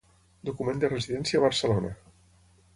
Document de residència a Barcelona.